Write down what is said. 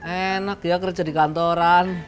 enak ya kerja di kantoran